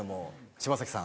柴咲さん。